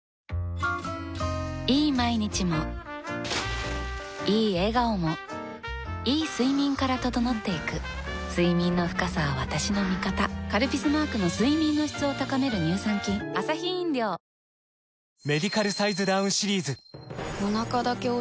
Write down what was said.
いい毎日もいい笑顔もいい睡眠から整っていく睡眠の深さは私の味方「カルピス」マークの睡眠の質を高める乳酸菌ありがとうございました。